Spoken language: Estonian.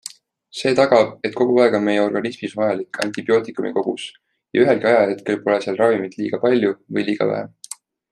See tagab, et kogu aeg on meie organismis vajalik antibiootikumikogus ja ühelgi ajahetkel pole seal ravimit liiga palju või liiga vähe.